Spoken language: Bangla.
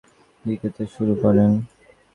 তিনি তার গাণিতিক প্রতিভার পরিচয় দিতে শুরু করেন।